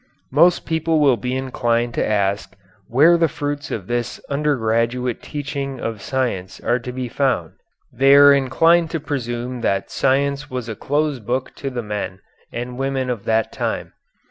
Most people will be inclined to ask where the fruits of this undergraduate teaching of science are to be found. They are inclined to presume that science was a closed book to the men and women of that time.